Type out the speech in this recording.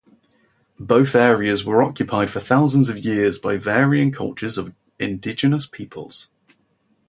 Both areas were occupied for thousands of years by varying cultures of indigenous peoples.